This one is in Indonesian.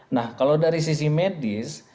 nah kalau dari sisi medis